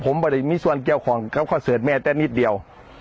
ผมไม่ได้มีส่วนเกี่ยวข้องกับคอนเสิร์ตแม่แต่นิดเดียว